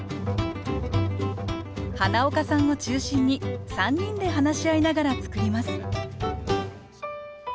花岡さんを中心に３人で話し合いながら作ります